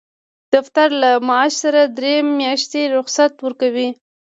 دفتر له معاش سره درې میاشتې رخصت ورکوي.